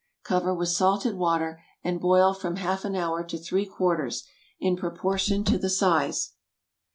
Cover with salted water, and boil from half an hour to three quarters, in proportion to the size.